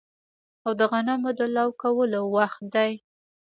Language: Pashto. او د غنمو د لو کولو وخت دی